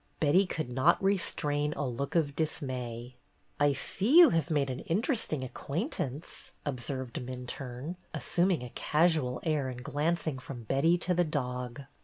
Betty could not restrain a look of dismay. "I see you have made an interesting ac quaintance," observed Minturne, assuming a casual air and glancing from Betty to the dog.